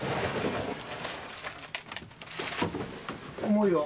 重いよ。